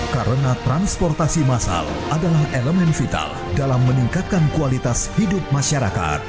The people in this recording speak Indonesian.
karena transportasi masal adalah elemen vital dalam meningkatkan kualitas hidup masyarakat